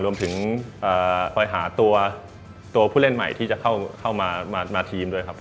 รวมถึงคอยหาตัวผู้เล่นใหม่ที่จะเข้ามาทีมด้วยครับ